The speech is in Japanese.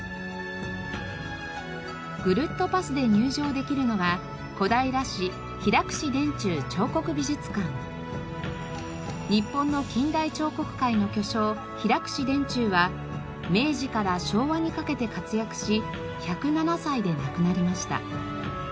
ぐるっとパスで入場できるのが日本の近代彫刻界の巨匠平櫛田中は明治から昭和にかけて活躍し１０７歳で亡くなりました。